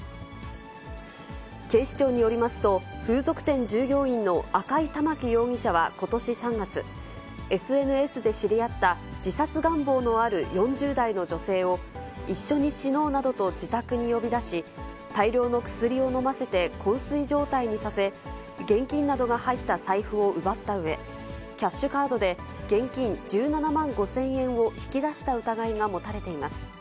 警視庁によりますと、風俗店従業員の赤井環容疑者はことし３月、ＳＮＳで知り合った、自殺願望のある４０代の女性を、一緒に死のうなどと自宅に呼び出し、大量の薬を飲ませて、こん睡状態にさせ、現金などが入った財布を奪ったうえ、キャッシュカードで現金１７万５０００円を引き出した疑いが持たれています。